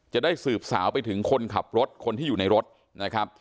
จะได้สืบสาวไปถึงคนขับรถคนที่อยู่ในรถนะครับ